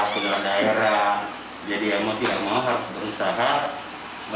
ke dalam daerah jadi yang mau tidak mau harus berusaha bagaimana yang saya menciptakan pekerjaan